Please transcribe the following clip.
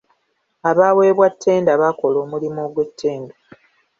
Abaaweebwa ttenda baakola omulimu ogw'ettendo.